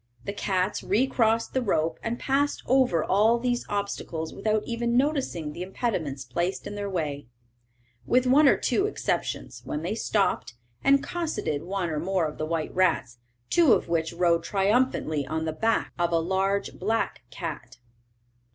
The cats re crossed the rope, and passed over all these obstacles without even noticing the impediments placed in their way, with one or two exceptions, when they stopped, and cosseted one or more of the white rats, two of which rode triumphantly on the back of a large black cat.